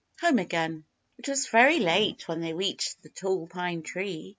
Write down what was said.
HOME AGAIN IT was very late when they reached the Tall Pine Tree.